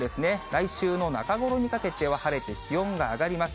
来週の中頃にかけては晴れて気温が上がります。